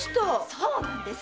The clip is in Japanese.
そうなんです！